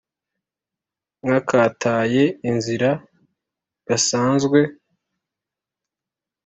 nk’akataye inzira gasanzwe